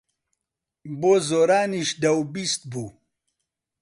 بۆ زۆرانیش دە و بیست بوو.